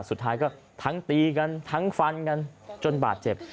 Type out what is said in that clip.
สุดท้ายก็ทั้งตีกันทั้งฟันกันจนบาดเจ็บ